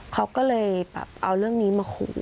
เขาก็เลยแบบเอาเรื่องนี้มาขู่